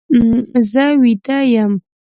زه ویده یم.